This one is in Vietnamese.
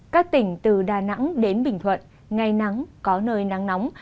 các tỉnh từ đà nẵng đến bình thuận ngày nắng có nơi nắng nóng